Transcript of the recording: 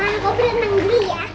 malah gua beli nangis ya